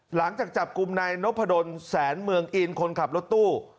หลังจากจับกลุ่มนายนพดลแสนเมืองอินคนขับรถตู้